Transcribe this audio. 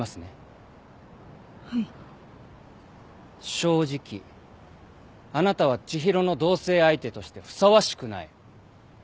正直あなたは知博の同棲相手としてふさわしくない。